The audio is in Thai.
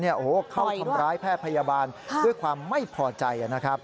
โอ้โหเข้าทำร้ายแพทย์พยาบาลด้วยความไม่พอใจนะครับ